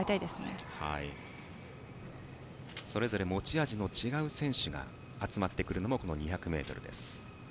それぞれ持ち味の違う選手が集まってくるのもこの２００ｍです。